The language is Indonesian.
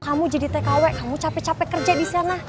kamu jadi tkw kamu capek capek kerja disana